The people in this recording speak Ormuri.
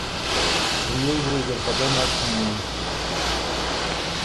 ریوز ریوز اِر خه دۀ نک هېنيي